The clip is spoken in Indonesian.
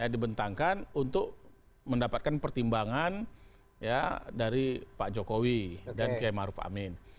dibentangkan untuk mendapatkan pertimbangan dari pak jokowi dan kiai maruf amin